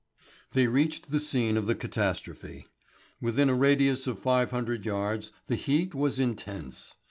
They reached the scene of the catastrophe. Within a radius of five hundred yards the heat was intense.